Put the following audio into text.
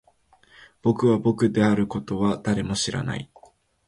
僕が僕であることは誰も知らない